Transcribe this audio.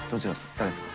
誰ですか？